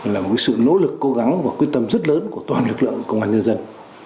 là một sự nỗ lực cố gắng và quyết tâm rất lớn của toàn lực lượng công an nhân dân